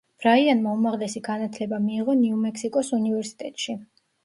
ბრაიანმა უმაღლესი განათლება მიიღო ნიუ-მექსიკოს უნივერსიტეტში.